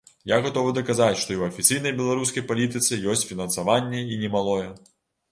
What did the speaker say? Я гатовы даказаць, што і ў афіцыйнай беларускай палітыцы ёсць фінансаванне, і немалое.